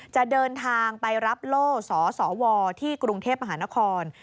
จะเดินทางไปรับโล่สสวที่กรุงเทพมหานคร